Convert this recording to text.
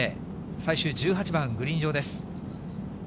最終１８番、グリーン上です。